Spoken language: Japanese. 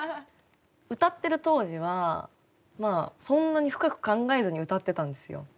歌ってる当時はまあそんなに深く考えずに歌ってたんですよ。